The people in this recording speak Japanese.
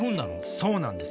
そうなんです。